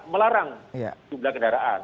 melarang jumlah kendaraan